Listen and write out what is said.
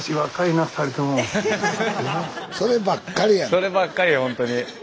そればっかりほんとに。